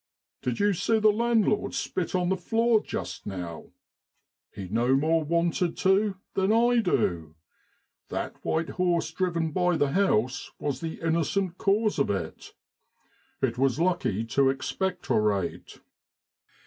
' Did you see the landlord spit on the floor just now ? He no more wanted to than I do ; that white horse driven by the house was the innocent cause of it. It was lucky to expectorate.